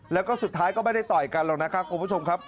แล้วก็สุดท้ายก็ไม่ได้ต่อยกันหรอกนะครับคุณผู้ชมครับ